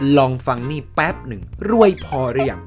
ลองฟังนี่แป๊บหนึ่งรวยพอหรือยัง